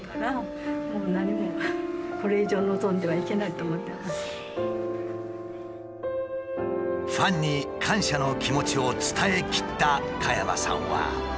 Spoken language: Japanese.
でもファンに感謝の気持ちを伝えきった加山さんは。